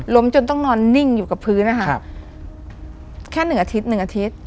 ล้มจนต้องนอนนิ่งอยู่กับพื้นนะครับแค่๑อาทิตย์๑อาทิตย์